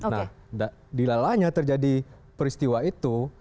nah dilalanya terjadi peristiwa itu